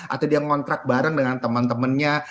atau dia ngontrak bareng dengan teman temannya